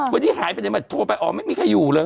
วันนี้หายไปเธอมาโทรไปไม่มีใครอยู่เลย